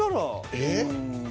えっ？